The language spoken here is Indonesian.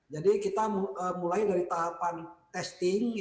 jadi kita mulai dari tahapan testing